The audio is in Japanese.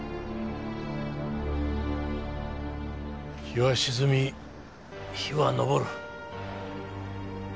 日は沈み日は昇る。